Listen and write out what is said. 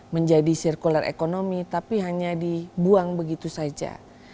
menjadi circular economy tapi hanya dibuang begitu saja